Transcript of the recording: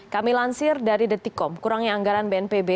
kami lansir dari detikom kurangnya anggaran bnpb